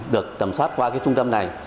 được tầm soát qua cái trung tâm này